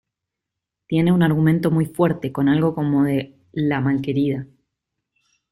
Tiene un argumento muy fuerte, con algo como de "La malquerida".